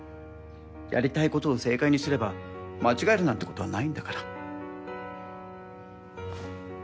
やりたいことを正解にすれば間違えるなんてことはないんだから。